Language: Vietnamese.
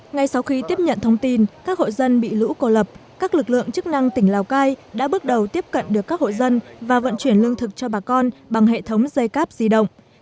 ngay sau khi tiếp nhận thông tin các hộ dân bị lũ cô lập các lực lượng chức năng tỉnh lào cai đã bước đầu tiếp cận được các hộ dân và vận chuyển lương thực cho bà con bằng hệ thống dây cáp di động